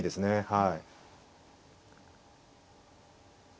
はい。